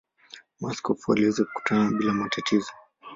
Maaskofu waliweza kukutana bila matatizo.